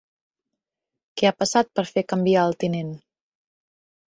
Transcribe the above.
Que ha passat per fer canviar el tinent?